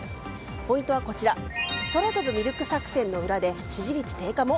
ポイントはこちら空飛ぶミルク作戦の裏で支持率低下も。